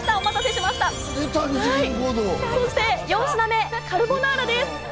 そして４品目、カルボナーラです。